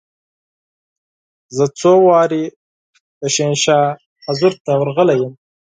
زه څو ځله د شاهنشاه حضور ته ورغلې یم.